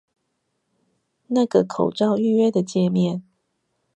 那個口罩預約的介面